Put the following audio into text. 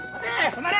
止まれ！